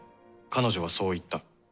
彼女はそう言った。